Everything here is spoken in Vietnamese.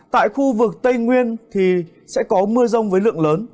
tại khu vực tây nguyên thì sẽ có mưa rông với lượng lớn